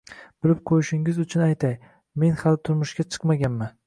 Bilib qo`yishingiz uchun aytay, men hali turmushga chiqmaganman